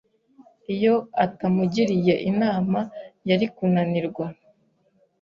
Iyo atamugiriye inama, yari kunanirwa.